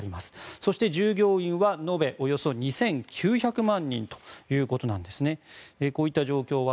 そして、従業員は延べおよそ２９００万人ということなんですね。